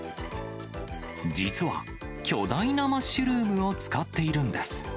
実は巨大なマッシュルームを使っているんです。